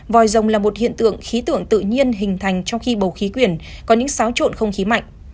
vòi rồng là một hiện tượng khí tượng tự nhiên hình thành trong khi bầu khí quyển có những xáo trộn không khí mạnh